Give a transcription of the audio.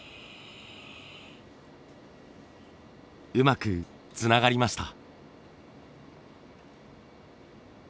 うまくつながりました。